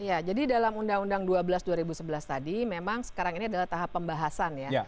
ya jadi dalam undang undang dua belas dua ribu sebelas tadi memang sekarang ini adalah tahap pembahasan ya